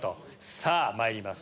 さぁまいります